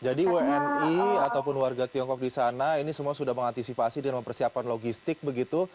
jadi wni ataupun warga tiongkok di sana ini semua sudah mengantisipasi dengan persiapan logistik begitu